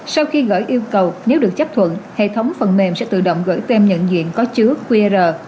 sau khi gửi yêu cầu nếu được chấp thuận hệ thống phần mềm sẽ tự động gửi tem nhận diện có chứa qr